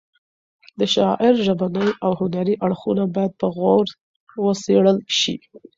د شاعر ژبني او هنري اړخونه باید په غور وڅېړل شي.